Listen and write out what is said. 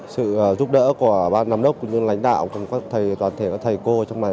sự giúp đỡ của ban giám đốc lãnh đạo toàn thể các thầy cô ở trong này